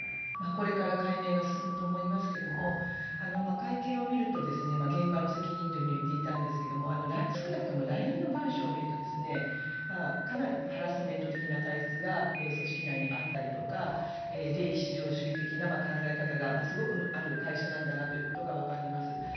これから解明が進むと思いますけれども会見を見ると現場の責任と言っていたんですけども、少なくともＬＩＮＥの文章を見るとかなりハラスメント的な体質が組織内にあったりとか利益市場主義的な考え方が、すごくある会社なんだなというのが分かります。